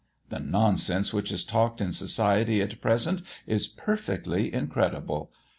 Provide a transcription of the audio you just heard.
The nonsense which is talked in society at present is perfectly incredible.